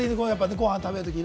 ご飯食べる時に。